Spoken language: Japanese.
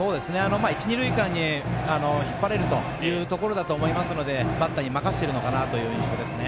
一塁、二塁間に引っ張れるということですのでバッターに任せているのかなという印象ですね。